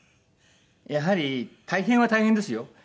やはり大変は大変ですよ。